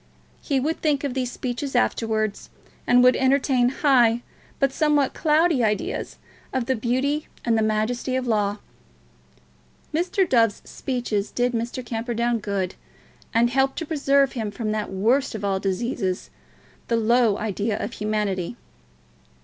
He would think of these speeches afterwards, and would entertain high but somewhat cloudy ideas of the beauty and the majesty of Law. Mr. Dove's speeches did Mr. Camperdown good, and helped to preserve him from that worst of all diseases, a low idea of humanity.